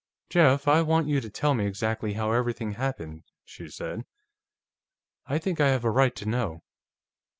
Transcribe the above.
"Jeff, I want you to tell me exactly how everything happened," she said. "I think I have a right to know."